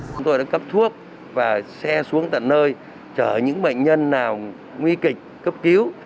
chúng tôi đã cấp thuốc và xe xuống tận nơi chở những bệnh nhân nào nguy kịch cấp cứu